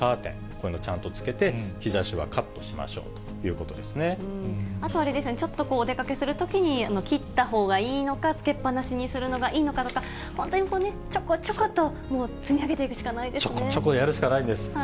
こういうのをちゃんとつけて、日ざしはカットしましょうというあと、あれですよね、ちょっとお出かけするときに切ったほうがいいのか、つけっ放しにするのがいいのかとかね、本当にこうね、ちょこちょこともう積み上げていくしかないですね。